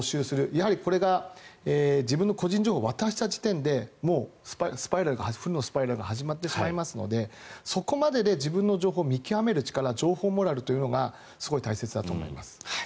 やはり自分の個人情報を渡した時点でもう負のスパイラルが始まってしまいますのでそこまでで自分の情報を見極める力情報モラルというのがすごい大切だと思います。